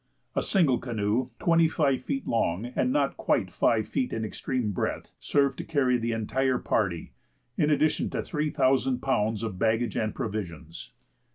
A single canoe, twenty five feet long and not quite five feet in extreme breadth, served to carry the entire party, in addition to three thousand pounds of baggage and provisions.